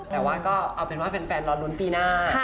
แต่ว่าก็เอาเป็นว่าแฟนรอลุ้นปีหน้า